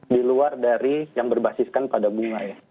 di luar dari yang berbasiskan pada bunga ya